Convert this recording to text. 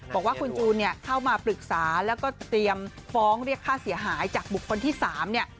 บอกว่าคุณจูนเนี่ยเข้ามาปรึกษาแล้วก็เตรียมฟ้องเรียกค่าเสียหายจากบุคคลที่๓เนี่ย